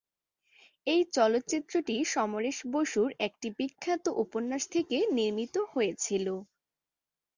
এই চলচ্চিত্রটি সমরেশ বসুর একটি বিখ্যাত উপন্যাস থেকে নির্মিত হয়েছিল।